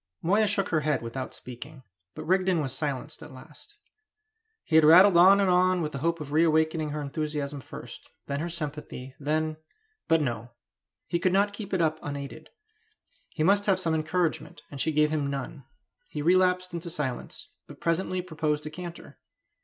Moya shook her head without speaking, but Rigden was silenced at last. He had rattled on and on with the hope of reawakening her enthusiasm first, then her sympathy, then but no! He could not keep it up unaided; he must have some encouragement, and she gave him none. He relapsed into silence, but presently proposed a canter.